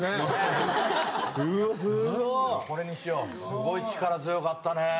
すごい力強かったね。